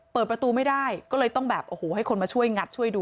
เปิดประตูไม่ได้ก็เลยต้องแบบโอ้โหให้คนมาช่วยงัดช่วยดู